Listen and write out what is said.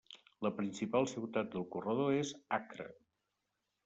La principal ciutat del corredor és Accra.